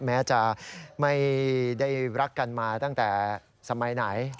แม้จะไม่ได้รักกันมาตั้งแต่สมัยไหน